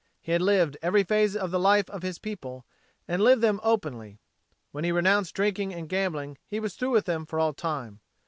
He had lived every phase of the life of his people, and lived them openly. When he renounced drinking and gambling he was through with them for all time.